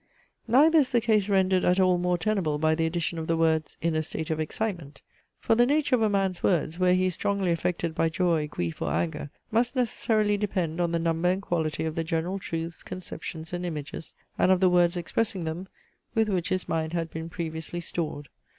Neither is the case rendered at all more tenable by the addition of the words, "in a state of excitement." For the nature of a man's words, where he is strongly affected by joy, grief, or anger, must necessarily depend on the number and quality of the general truths, conceptions and images, and of the words expressing them, with which his mind had been previously stored.